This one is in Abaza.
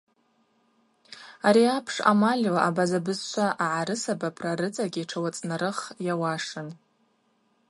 Ари апш амальла абаза бызшва агӏарысабапра рыцӏагьи тшауацӏнарых йауашын.